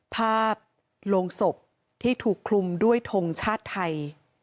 ภาพโรงศพที่ถูกคลุมด้วยทงชาติไทย